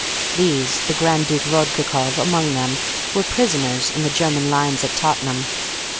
These, the Grand Duke Vodkakoff among them, were prisoners in the German lines at Tottenham.